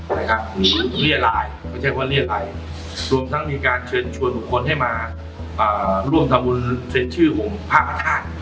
ไม่ใช่ว่าเรียกอะไรรวมทั้งมีการเชิญชวนบุคคลให้มาอ่าร่วมทำบุญเซ็นต์ชื่อของพระอาทาติ